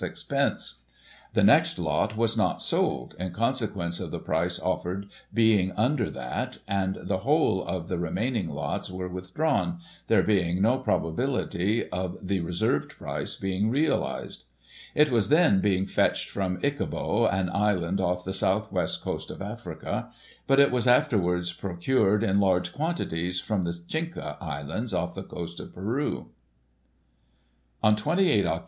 6d The next lot was not sold, in consequence of the price offered being imder that, and the whole of the re maining lots were withdrawn, there being no probability of the reserved price being realised. It was then being fetched from Ichaboe, an island off the so\ith west coast of Africa — but it was afterwards procured in large quantities from the Chincha Islands, off the coast of Peru. On 28 Oct.